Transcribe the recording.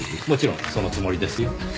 もちろんそのつもりですよ。